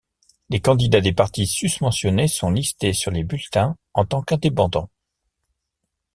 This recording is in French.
Les candidats des partis susmentionnés sont listés sur les bulletins en tant qu'indépendants.